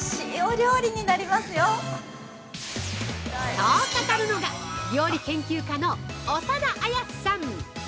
◆そう語るのが料理研究家の長田絢さん。